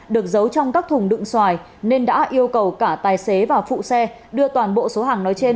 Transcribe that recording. được giấu trong các thùng đựng xoài nên đã yêu cầu cả tài xế và phụ xe đưa toàn bộ số hàng nói trên